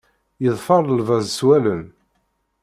Yeḍfer lbaz s wallen.